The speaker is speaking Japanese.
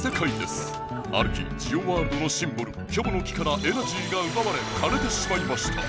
ある日ジオワールドのシンボルキョボの木からエナジーがうばわれかれてしまいました。